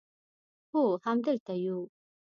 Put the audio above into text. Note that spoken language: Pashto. هو همدلته یو